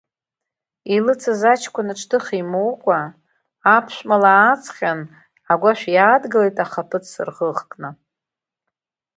Илыцыз аҷкәын аҿҭыха имоукәа, аԥшәма ла ааҵҟьан, агәашә иаадгылеит ахаԥыц рӷыӷкны.